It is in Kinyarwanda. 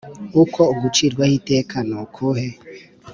Uko gucirwaho iteka ni ukue